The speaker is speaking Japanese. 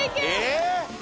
えっ？